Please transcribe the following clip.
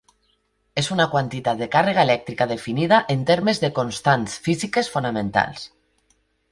És una quantitat de càrrega elèctrica definida en termes de constants físiques fonamentals.